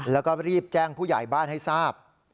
แล้วก็รีบแจ้งผู้ใหญ่บ้านให้ทราบ